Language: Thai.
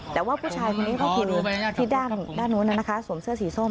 แต่ว่าผู้ชายคนนี้ก็คือที่ด้านนู้นนะคะสวมเสื้อสีส้ม